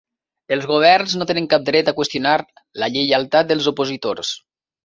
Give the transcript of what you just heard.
Els governs no tenen cap dret a qüestionar la lleialtat dels opositors.